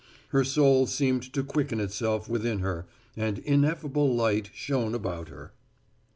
Her soul seemed to quicken itself within her and ineffable light shone about her.